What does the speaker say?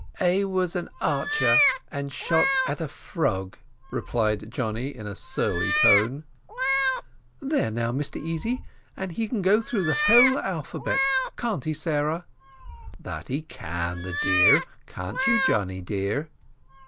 "A was an archer, and shot at a frog," replied Johnny, in a surly tone. "There now, Mr Easy; and he can go through the whole alphabet can't he, Sarah?" "That he can, the dear can't you, Johnny dear?"